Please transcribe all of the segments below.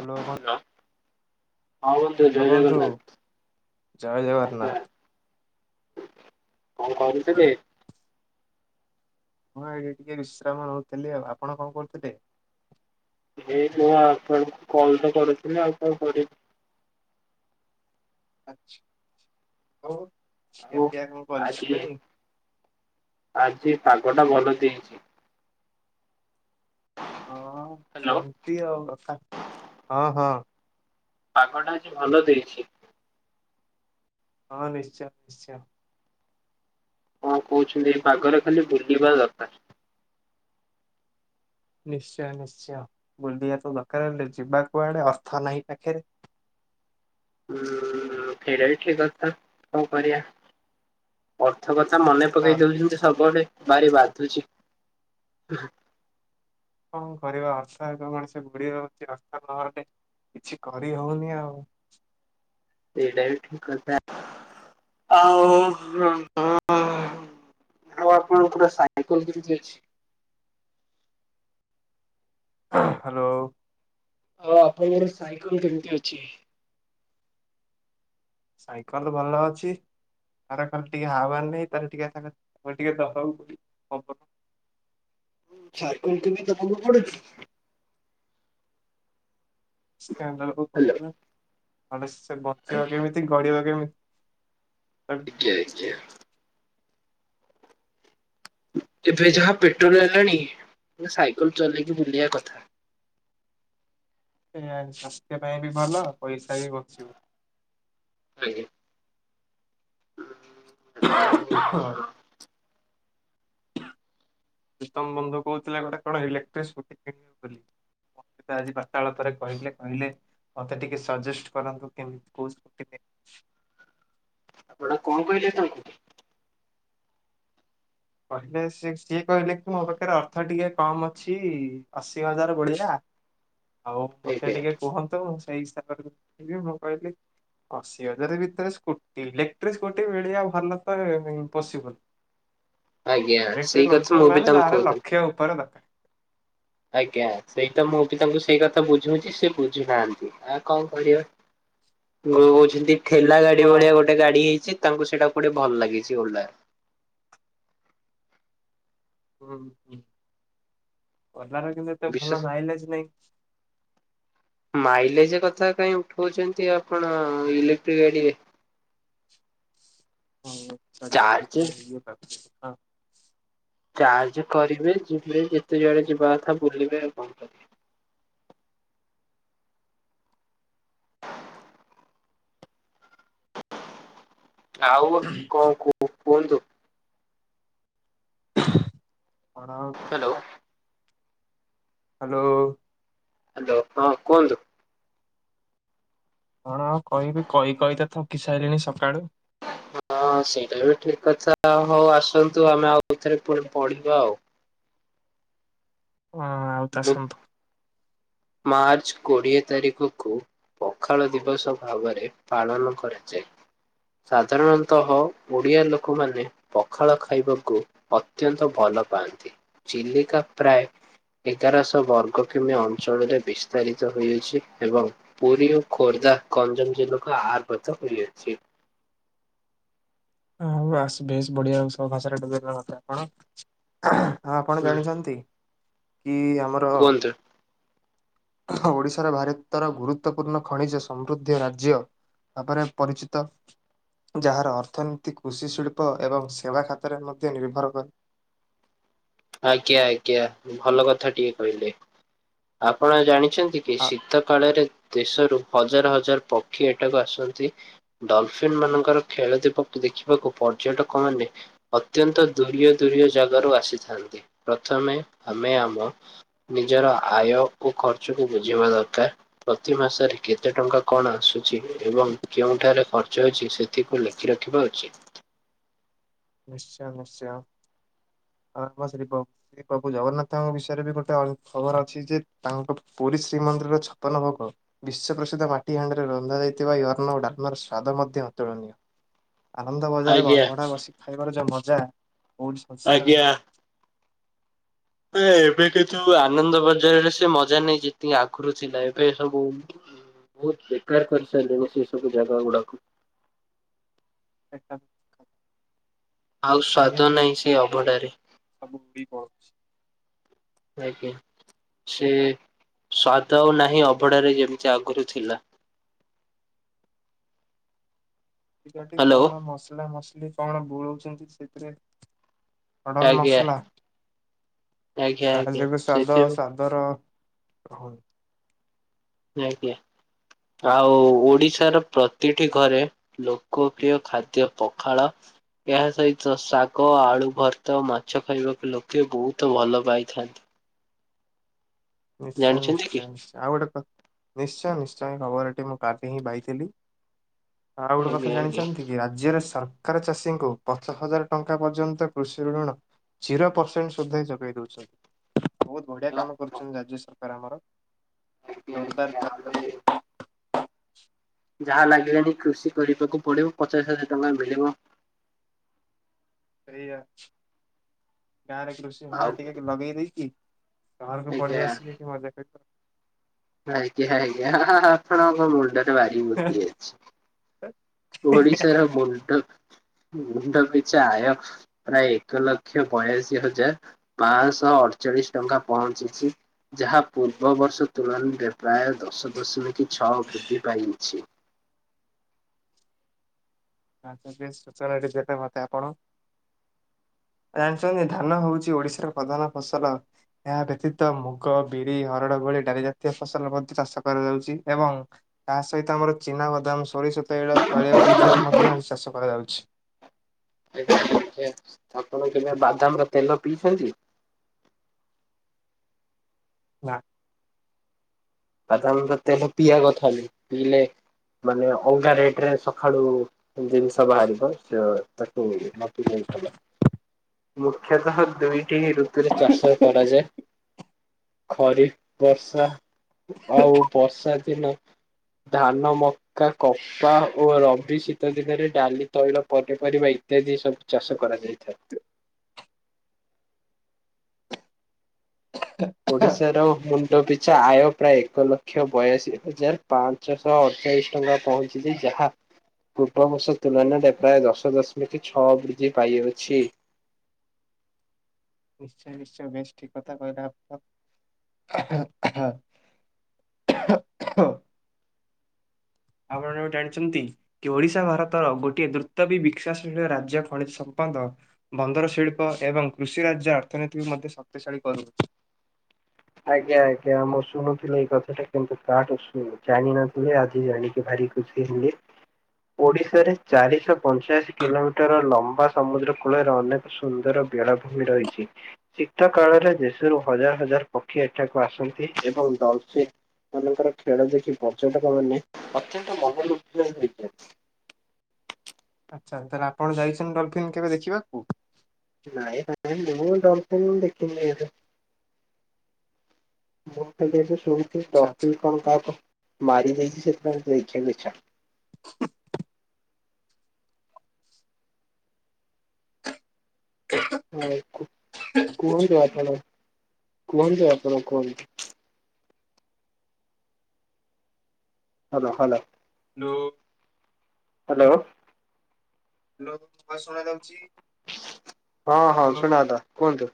Hello [unintelligible] [unintelligible] ହଁ ବନ୍ଧୁ, ଜୟ ଜୟ ଜଗନ୍ନାଥ। ଜଗନ୍ନାଥ [unintelligible] [inaudible] କଣ କରୁଥିଲେ? ମୁଁ ଏଇଠି ଟିକେ ବିଶ୍ରାମ ନେଉଥିଲି ଆଉ। ଆପଣ କଣ କରୁଥିଲେ? ଏଇଠି ମୁଁ ଆପଣଙ୍କୁ କଲ୍ ତ କରୁଥିଲି ଆଉ କଣ କରିବି। [unintelligible] ଆଉ ପିଆ କଣ ଆଜି, କରିସାରିଲେଣି? ଆଜି ପାଗ ଟା ଭଲ ଦେଇଚି। ହଁ ହ୍ୟାଲୋ ସେମିତି ଆଉ। କଥା ହଁ ହଁ। ପାଗଟା ଆଜି ଭଲ ଦେଇଛି। ହଁ ନିଶ୍ଚୟ ନିଶ୍ଚୟ। କଣ କହୁଛନ୍ତି ଏଇ ପାଗରେ ଖାଲି ବୁଲିବା ଦରକାର। ନିଶ୍ଚୟ ନିଶ୍ଚୟ। ବୁଲିବା ତ ଦରକାର, ହେଲେ ଯିବା କୁଆଡେ ଅର୍ଥ ନାହିଁ ପାଖରେ। ଉଁ ଫେରାଇ ଥିବ ତ କଣ କରିବା, ଅର୍ଥ କଥା ମନେ ପକେଇ ଅର୍ଥ ଦଉଛନ୍ତି ସବୁଆଡେ ଭାରି ବାଧୁଚି। କଣ କରିବ ଅର୍ଥ ଏତେ ମଣିଷକୁ [unintelligible] କିଛି କରି ହଉନି ଆଉ। ସେଇଟା ବି ଠିକ୍ କଥା। ଆଉ [unintelligible] ଆଉ ଆପଣଙ୍କ ପୁରା ସାଇକଲ କେମିତି ଅଛି? ହାଲୋ। ହଁ ଆପଣଙ୍କର ସାଇକଲ୍ କେମତି ଅଛି? ସାଇକଲ ଭଲ ଅଛି। ତାର ଖାଲି ଟିକେ ହାଉୱା ନାହିଁ। ତାର ଖାଲି ଟିକେ। [unintelligible] ସାଇକଲ୍ କୁ ବି ଦବାକୁ ପଡୁଚି? [unintelligible] ହ୍ୟାଲୋ। ନହେଲେ ସେ ବଞ୍ଚିବା କେମିତି? ଗଡ଼ିବ କେମି [unintelligible] ଏବେ ଯାହା ପେଟ୍ରୋଲ୍ ହେଲାଣି ସାଇକେଲ ଚଲେଇକି ବୁଲିବା କଥା। ସେଇଆ ସ୍ୱାସ୍ଥ୍ୟ ପାଇଁ ବି ଭଲ ପଇସା ବି ବଞ୍ଚିବ। ଆଜ୍ଞା। ଆଉ କଣ? ପ୍ରୀତମ ବନ୍ଧୁ କହୁଥିଲା ଗୋଟେ କଣ ଇଲେକ୍ଟ୍ରି ସ୍କୁଟି କିଣିବ ବୋଲି। ମତେ ତ ଆଜି ବାର୍ତ୍ତାଳପରେ କହିଲେ କହିଲେ ମତେ ଟିକେ ସଜେଷ୍ଟ କରନ୍ତୁ କେମତି କୋଉ ସ୍କୁଟି [unintelligible] କଣ କହିଲେ ତାଙ୍କୁ? କହିଲେ ସିଏ ସିଏ କହିଲେ କି ମୋ ପାଖରେ ଅର୍ଥ ଟିକେ କମ୍ ଅଛି ଅଶି ହଜାର ଭଳିଆ ଆଉ ମତେ ଆଜ୍ଞା ଟିକେ କୁହନ୍ତୁ ସେଇ ହିସାବରରେ ବି ମୁଁ କହିଲି ଅଶି ହଜାର ଭିତରେ ସ୍କୁଟି ଇଲେକ୍ଟ୍ରି ସ୍କୁଟି ମିଳିବା ଭାଲ ତ ଇମପସିବୁଲ। ଆଜ୍ଞା ସେଇ ଇଲେକ୍ଟ୍ରିକ କଥା ମୁଁ ନଉଛନ୍ତି ବି ମାନେ ତାଙ୍କୁ ଯାହାର କହୁଥିଲି। ଲକ୍ଷେ ଉପରେ ଦରକାର। ଆଜ୍ଞା ସେଇଟା ମୁଁ ବି ତାଙ୍କୁ ସେଇ କଥା ବୁଝୁଛି ସେ ବୁଝୁନାହାନ୍ତି ଆଉ କଣ କରିବା। ୋ କହୁଛନ୍ତି ଠେଲା ଗାଡି ହଁ। ଭଳିଆ ଗୋଟେ ଗାଡି ହେଇଛି ତାଙ୍କୁ ସେଇଟା କୋଟେ ଭଲ ଲାଗିଛି ଓଲା ର। ହୁଁ ହୁଁ ଓଲାର କିନ୍ତୁ ଏତେ ଭଲ ବିଶେଷ ମାଇଲେଜ ନାଇଁ। ମାଇଲେଜ କଥା କାଇହିଁ ଉଠଉଛନ୍ତି ଆପଣ ଇଲେକ୍ଟ୍ରିକ୍ ଗାଡ଼ିରେ। ଚାର୍ଜ ହଁ [inaudible] ଚାର୍ଜ କରିବେ ଯିବେ ଯେତେ ଜୁଆଡେ ଯିବା କଥା ବୁଲିବେ ଆଉ କଣ କରିବେ। ଆଉ କଣ କୁ କୁହନ୍ତୁ? ହଣ [unintelligible] ହ୍ୟାଲୋ। ହ୍ୟାଲୋ। ହ୍ୟାଲୋ ହଁ କୁହନ୍ତୁ? କଣ ହଉ କହିବି କହି କହି ତ ଥକି ସାରିଲିଣିି ସକାଳୁ। ହଁ ସେଇଟା ବି ଠିକ କଥା ହଉ ଆସନ୍ତୁ ଆମେ ଆଉଥରେ ପୁଣି ପଢିବା ଆଉ। ହଁ ଆଉ ମୁଁ ତସନ୍ତୁ। ମାର୍ଚ୍ଚ କୋଡିଏ ତାରିଖକୁ ପଖାଳ ଦିବସ ଭାବରେ ପାଳନ କରାଯାଏ। ସାଧାରଣତଃ ଓଡ଼ିଆ ଲୋକମାନେ ପଖାଳ ଖାଇବାକୁ ଅତ୍ୟନ୍ତ ଭଲ ପାଆନ୍ତି। ଚିଲିକା ପ୍ରାୟ ଏଗାରଶହ ବର୍ଗ କିମି ଅଂ ଞ୍ଚଳରେ ବିସ୍ତାରିତ ହୋଇଅଛି ଏବଂ ପୁରୀ ଓ ଖୋର୍ଦ୍ଧା ଗଞ୍ଜାମ ଜିଲ୍ଲାକୁ ଆର୍ଭତ ହୋଇଅଛି। [unintelligible] ହଁ ଆପଣ ହୁଁ ଜାଣିଛନ୍ତି କି ଆମ କୁହନ୍ତୁ। ଓଡ଼ିଶାର ଭାରତର ଗୁରୁତ୍ୱପୂର୍ଣ୍ଣ ଖଣିଜ ସମୃଦ୍ଧି ରାଜ୍ୟ। ତାପରେ ପରିଚିତ ଯାହାର ଅର୍ଥନୀତି କୃଷି ଶିଳ୍ପ ଏବଂ ସେବା ଖାତାରେ ମଧ୍ୟ ନିର୍ଭର କରେ। ଆଜ୍ଞା ଆଜ୍ଞା ଭଲ କଥା ଟିକେ କହିଲେ। ଆପଣ ଜାଣି ଛନ୍ତି କି ଆ ଶୀତ କାଳରେ ଦେଶରୁ ହଜାର ହଜାର ପକ୍ଷୀ ଏଟାକୁ ଆସନ୍ତି। ଡଲଫିନ୍ ମାନଙ୍କର ଖେଳ ଦୀପକୁ ଦେଖିବାକୁ ପର୍ଯ୍ୟଟକ ମାନେ ଅତ୍ୟନ୍ତ ଦୁରିୟ ଦୂରିୟ ଜାଗାରୁ ଆସିଥାନ୍ତି ପ୍ରଥମେ ଆମେ ଆମ ନିଜର ଆୟ ଓ ଖର୍ଚ୍ଚକୁ ବୁଝିବା ଦରକାର। ପ୍ରତି ମାସରେ କେତେ ଟଙ୍କା କଣ ଆସୁଛି ଏବଂ କେଉଁଠାରେ ଖର୍ଚ୍ଚ ହେଛି ସେ ଥିକୁ ଲେଖି ରଖିବା ଉଚିତ୍। ନିଶ୍ଚୟ ନିଶ୍ଚୟ। [unintelligible] ଶ୍ରୀ ବାବୁ ଜଗନ୍ନାଥଙ୍କ ବିଷୟରେ ବି ଗୋଟେ ଖବର ଅଛି ଯେ ତାଙ୍କ ପୁରୀ ଶ୍ରୀମନ୍ଦିରର ଛପନ ଭୋଗ ବିଶ୍ୱପ୍ରସିଦ୍ଧ ମାଟି ହାଣ୍ଡିରେ ରନ୍ଧାଯାଇଥିବା ୟର୍ଣ୍ଣ ଓ ଡାଲମର ସ୍ୱାଦ ମଧ୍ୟ ଅତୁଳନୀୟ। ଆନନ୍ଦ ବଜାରରେ ଆଜ୍ଞା ଅବଢା ବସିିକି ଖାଇବାର ଯୋଉ ମଜା କୋଉଠି ସଂସାର ଆଜ୍ଞା। ଏବେ କିନ୍ତୁ ଆନନ୍ଦ ବଜାରରେ ସେ ମଜା ନାଇଁ ଯେତିକି ଆଗରୁ ଥିଲା ଏବେ ସବୁ ବହୁତ ବେକାର କରିସାରିଲେଣି ସେ ସବୁ ଜାଗା ଗୁଡାକୁ। [unintelligible] ଆଉ ସ୍ଵାଦ ନାହିଁ ସେ ଅଭଡ଼ାରେ। ଆଗକୁ ବଳ ଅଛି। ଆଜ୍ଞା ସେ ସ୍ଵାଦ ଆଉ ନାହିଁ ଅଭଢାରେ ଯେମିତି ଆଗରୁ ଥିଲା। ପିଲାଟି ହ୍ୟାଲୋ କଣ ମସଲା ମସଲି କଣ ବୁଳଉଛନ୍ତି ସେଥିରେ। ଓଡର ଆଜ୍ଞା ମସଲା ଆଜ୍ଞା ତା ଆଜ୍ଞା ଯେବେ ସ୍ୱାଦ ଆଉ ସେଥିପାଇଁ ସ୍ୱା ଦ ର ଆଜ୍ଞା ଆଉ ଓଡିଶାର ପ୍ରତିଟି ଘରେ ଲୋକପ୍ରିୟ ଖାଦ୍ୟ ପଖାଳ। ଏହା ସହିତ ଶାଗ ଆଳୁ ଭର୍ତ୍ତା ଆଉ ମାଛ ଖାଇବାକୁ ଲୋକେ ବୋହୁତ ଭଲ ପାଇଥାନ୍ତି। ନିଶ୍ଚୟ ଜାଣିଛନ୍ତି କି? ନିଶ୍ଚୟ ନିଶ୍ଚୟ ଆଉ ଗୋଟେ କ ନିଶ୍ଚୟ ନିଶ୍ଚୟ ଖବରଟି ମୁଁ କାଲି ହିଁ ପାଇଥିଲି। ଆଉ ଗୋଟେ କଥା ଆଜ୍ଞା ଆଜ୍ଞା। ଜାଣିଚନ୍ତି? କି ରାଜ୍ୟରେ ସରକାର ଚାଷୀଙ୍କୁ ପଞ୍ଚ ହଜାର ଟଙ୍କା ପର୍ଯ୍ୟନ୍ତ କୃଷି ଋଣ ଜିରୋ ପର୍ସେଣ୍ଟ ସୁଧ ହିଁ ଯୋଗେଇ ଦୋଉଚନ୍ତି ବୋହୁତ ବଢିଆ କାମ ଆଜ୍ଞା କରୁଚନ୍ତି ରାଜ୍ୟ ସ ରକାର ଆମର ଆଜ୍ଞା ଜୋରଦାର ଆମେ ଚାଷ ଯାହା ଲାଗିଲାଣି କୃଷି କରିବାକୁ ପଡିବ ପଚାଶ ହଜାର ଟଙ୍କା ମିଳିବ। ସେଇଆ ଗାଁରେ କୃଷି ହଳ ଆଉ ଟିକେକି ଲଗେଇ ଦେଇକି ସହରକୁ ଆଜ୍ଞା ପଳେଇ ଆସିକି ଏଠି ମଜା କରିବ। ଆଜ୍ଞା ଆଜ୍ଞା ଆ-ଆପଣଙ୍କ ମୁଣ୍ଡରେ ଭାରି ବୁଦ୍ଧି ଅଛି। ଧେତ୍ ଓଡିଶାର ମୁଣ୍ଡ ମୁଣ୍ଡ ପିଛା ଆୟ ପ୍ରାୟ ଏକ ଲକ୍ଷ ବୟାଲିଶ ହଜାର ପାଂଶହ ଅରଚାଳିଶ ଟଙ୍କା ପହଞ୍ଚିଛି। ଯାହା ପୂର୍ବ ବର୍ଷ ତୁଳନାରେ ପ୍ରାୟ ଦଶ ଦଶମିକି ଛଅ ବୃଦ୍ଧି ପାଇଅଛି। ଆଛା ବେସ ସୂଚନାଟି ଦେବେ ମତେ ଆପଣ। ଜାଣିଚନ୍ତି ଧାନ ହୋଉଚି ଓଡିଶାର ପ୍ରଧାନ ଫସଲ? ଏହା ବ୍ୟତୀତ ମୁଗ, ବିରି, ହରଡ ଭଳି ଡାଲି ଜାତୀୟ ଫସଲ ମଧ୍ୟ ଚାଷ କରାଯାଉଚି ଏବଂ ତା ସହିତ ଆମର ଚିନାବାଦାମ ସୋରିଷ ତେଳ ତୈଳି ବୀଜ ମଧ୍ୟ ଚାଷ କରାଯାଉଛି। ଆଜ୍ଞା [inaudible] ଆପଣ କେବେ ବାଦାମର ତେଲ ପିଇଛନ୍ତି? ନା। ବାଦମର ତେଲ ପିଇବା କଥା ନୁହଁ ପିଇଲେ ମାନେ ଅଲଗା ରେଟରେ ସଖାଳୁ ଦିନଷ ବାହାରିବ ଚ ତାକୁ ନ ପିଇଲେ ହିଁ ଭଲ। ମୁଖ୍ୟତଃ ଦୁଇଟିି ହିଁ ଋ ତୁରେ ଚାଷ କରାଯାଏ ଖରିଫ ବର୍ଷା ଆଉ ବର୍ଷା ଦିନ ଧାନ, ମକା, କ ପା ଓ ରବି ଶୀତ ଦିନରେ ଡାଲି ତୈଳ ପନିପରିବା ଇତ୍ୟାଦି ସବୁ ଚାଷ କରାଯାଇଥାଏ। ଓଡିଶାର ମୁଣ୍ଡ ପିଛା ଆୟ ପ୍ରାୟ ଏକ ଲକ୍ଷ ବୟାଅଶୀ ହଜାର ପାନ୍ ଞ୍ଚଶହ ଅରଚାଳିଶ ଟଙ୍କା ପହଞ୍ଚିଛି ଯାହା ପୂର୍ବବର୍ଷ ତୁଳନାରେ ପ୍ରାୟ ଦଶ ଦଶମିକ ଛଅ ବୃଦ୍ଧି ପାଇଅଛି। ନିଶ୍ଚୟ ନିଶ୍ଚୟ ବେସ ଠିକ କଥା କହିଲେ ଆପଣ। ଆପଣ ଜାଣିଛନ୍ତି? କି ଓଡିଶା ଭାରତର ଗୋଟିଏ ଦ୍ରୁତ ବି ବିକଶାଶୀଳ ରାଜ୍ୟ ଖଣିଜ ସମ୍ପଦ ବନ୍ଦର ଶିଳ୍ପ ଏବଂ କୃଷି ରାଜ୍ୟ ଅର୍ଥନୀତିକୁ ମଧ୍ୟ ଶକ୍ତିଶାଳୀ କରୁଅଛି। ଆଜ୍ଞା ଆଜ୍ଞା ମୁଁ ଶୁଣୁଥିଲି ଏଇ କଥାଟା କିନ୍ତୁ କାଆଠୁ ଶୁଣୁ ଜାଣିନଥିଲି ଆଜି ଜାଣିକି ଭାରି ଖୁସିି ହେଲି। ଓଡିଶାରେ ଚାରିଶହ ପଞ୍ଚାଅଶୀ କିଲୋମିଟର ଲମ୍ବା ସମୁଦ୍ର କୂଳର ଅନେ ସୁନ୍ଦର ବେଳାଭୂମି ରହିଛି ଶୀତ କାଳରେ ଦେଶରୁ ହଜାର ହଜାର ପକ୍ଷୀ ଏଠାକୁ ଆସନ୍ତି ଏବଂ ଡଲଫିନ ମାନଙ୍କର ଖେଳ ଦେଖି ପର୍ଯ୍ୟଟକମାନେ ଅତ୍ୟନ୍ତ ମନ ଲୋଭ୍ୟ ହୋଇଥାନ୍ତି। ଆଚ୍ଛା ତାହେଲେ ଆପଣ ଯାଇଛନ୍ତି ଡଲଫିନ୍ କେବେ ଦେଖିବାକୁ? ନାଇଁ ଭାଇ ମୁଁ ଡ଼ଲଫିନ୍ ଦେଖିନି ଏବେ। ମୁଁ କିନ୍ତୁ ଏବେ ଶୁଣିଥିଲି ଆଚ୍ଛା ଆଚ୍ଛା। ଡ଼ଲଫିନ୍ କଣ କାହାକୁ ମାରି ଦେଇଚି ସେଥିପାଇଁ ଦେଖିବାକୁ ଇଛା। ହଁ କୁ-କୁହନ୍ତୁ ଆପଣ କୁହନ୍ତୁ ଆପଣ କୁହନ୍ତୁ। Hello hello. Hello. Hello. Hello ହ ଶୁଣା ଯାଉଛି। ହଁ ହଁ ହ୍ୟାଲୋ। ଶୁଣା ଗଲା କୁହନ୍ତୁ।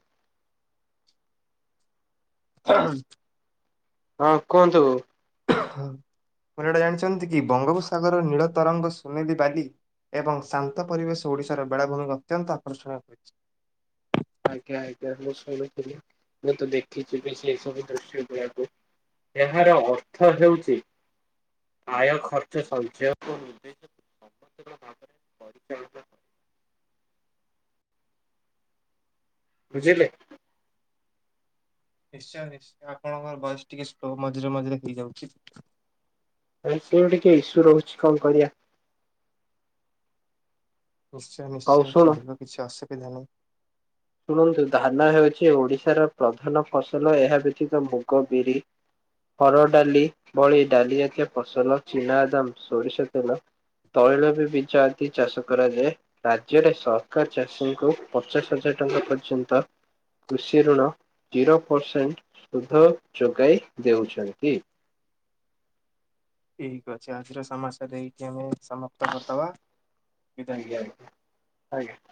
ହଁ ହଁ କୁହନ୍ତୁ। କଥା ଜାଣିଛନ୍ତି କି ବଙ୍ଗୋପସାଗର ନୀଳ ତରଙ୍ଗ ସୁନେଲି ବାଲି। ଏବଂ ଶାନ୍ତ ପରିବେଶ ଓଡିଶାର ବେଳାଭୂମି ଅତ୍ୟନ୍ତ ଆକର୍ଷଣୀୟ ହୋଇଛି। ଆଜ୍ଞା ଆଜ୍ଞା ମୁଁ ଶୁଣୁଥିଲି ମୁଁ ତ ଦେଖିଛି ବି ସେଇ ସବୁ ଦୃଶ୍ୟ ଦେହକୁ ଏହାର ଅର୍ଥ ହେଉଛି। ଆୟ ଖର୍ଚ୍ଚ ସଞ୍ଚୟ ନିଦ୍ଦେଶ ଭାବରେ ପରିଚଳିତ ବୁଝିଲେ? ନିଶ୍ଚୟ ନିଶ୍ଚୟ ଆପଣଙ୍କର ଭୟସ ଟିକେ ସ୍ଲୋ ମଝିରେ ମଝିରେ ହେଇଯାଉଛି। [unintelligible] ର ଟିକେ ଇସ୍ୟୁ ରହୁଛି କଣ କରିବା। ନିଶ୍ଚୟ ହଉ ନିଶ୍ଚୟ ଶୁଣ ଚଳିବ କିଛି ଅସୁବିଧା ନାହିଁ। ଶୁଣନ୍ତୁ ଧାନ ହେଉଛି ଓଡିଶାର ପ୍ରଧାନ ଫସଲ ଏହା ବ୍ୟତୀତ ମୁଗ, ବିରି ହର ଡାଲି ଭଳି ଡାଲି ଜାତୀୟ ଫସଲ ଚିନାଦାମ, ସୋରିଷ ତେଲ ତୈଳ ବି ବିଜ ଆଦି ଚାଷ କରାଯାଏ। ରାଜ୍ୟରେ ସରକାର ଚାଷୀଙ୍କୁ ପଚାଶ ହଜାର ଟଙ୍କା ପର୍ଯ୍ୟନ୍ତ କୃଷି ଋଣ ଜିରୋ ପରସେଣ୍ଟ ସୁଧ ଯୋଗାଇ ଦେଉଛନ୍ତି। ଠିକ ଅଛି ଆଜିର ସମସ୍ୟା ଦେଇକି ଆମେ ସମ ଆଜ୍ଞା ଆଜ୍ଞା ଆଜ୍ଞା।